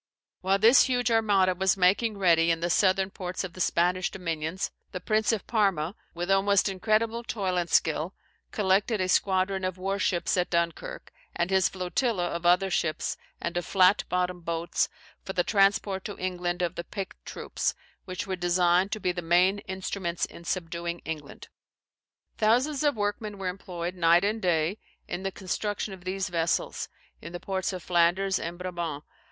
While this huge armada was making ready in the southern ports of the Spanish dominions, the Prince of Parma, with almost incredible toil and skill, collected a squadron of war ships at Dunkirk, and his flotilla of other ships and of flat bottomed boats for the transport to England of the picked troops, which were designed to be the main instruments in subduing England. Thousands of workmen were employed, night and day, in the construction of these vessels, in the ports of Flanders and Brabant.